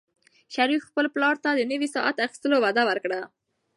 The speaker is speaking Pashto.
شریف خپل پلار ته د نوي ساعت اخیستلو وعده ورکړه.